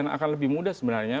maka lebih mudah sebenarnya